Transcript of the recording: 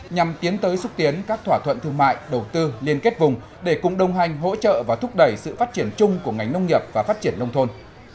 nhằm tiến tới xúc tiến các thỏa thuận thương mại đầu tư liên kết vùng để cùng đồng hành hỗ trợ và thúc đẩy sự phát triển chung của ngành nông nghiệp và phát triển nông thôn